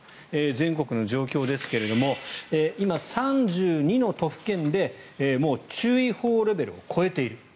全国の状況ですが今、３２の都府県でもう注意報レベルを超えている。